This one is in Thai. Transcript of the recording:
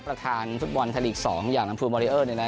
ประธานฟุตบอลไทยลีกสองอย่างลำภูมิมอเรอร์เนี่ยนะ